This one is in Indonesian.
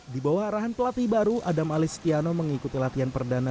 di bawah arahan pelatih baru adam alistiano mengikuti latihan perdana